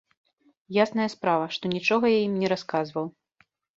Ясная справа, што нічога я ім не расказваў.